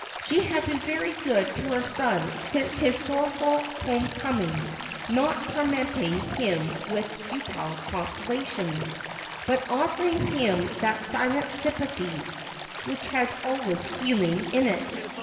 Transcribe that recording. She had been very good to her son since his sorrowful home coming, not tormenting him with futile consolations, but ofEer ing him that silent sympathy which has always healing in it.